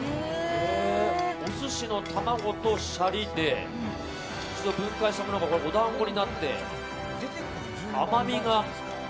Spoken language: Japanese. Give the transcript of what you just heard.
お寿司の玉子とシャリで分解したものがお団子になって甘みが。